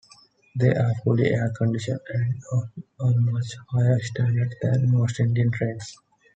They are fully air-conditioned and of a much higher standard than most Indian trains.